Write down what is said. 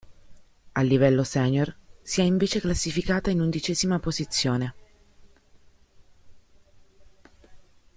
A livello senior, si è invece classificata in undicesima posizione.